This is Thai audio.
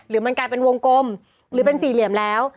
หรือมันกลายเป็นวงกลมหรือเป็นสี่เหลี่ยมแล้ว